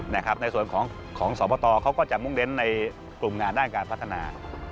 ในส่วนของสอบตเขาก็จะมุ่งเน้นในกลุ่มงานด้านการพัฒนา